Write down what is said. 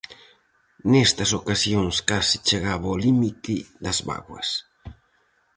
Nestas ocasións case chegaba ao límite das bágoas.